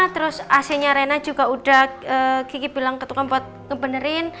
terus ac nya rena juga udah gigi bilang ke tukang buat ngebenerin